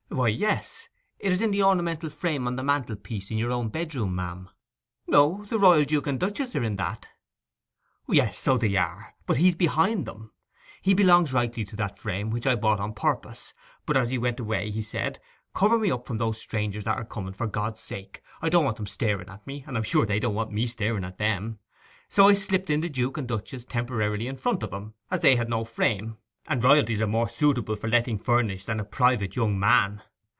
'Why, yes. It's in the ornamental frame on the mantelpiece in your own bedroom, ma'am.' 'No; the Royal Duke and Duchess are in that.' 'Yes, so they are; but he's behind them. He belongs rightly to that frame, which I bought on purpose; but as he went away he said: "Cover me up from those strangers that are coming, for God's sake. I don't want them staring at me, and I am sure they won't want me staring at them." So I slipped in the Duke and Duchess temporarily in front of him, as they had no frame, and Royalties are more suitable for letting furnished than a private young man.